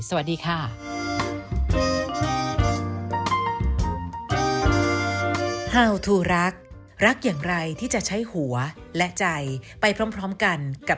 สวัสดีค่ะ